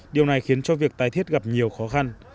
điều này khiến cho việc tái thiết gặp nhiều khó khăn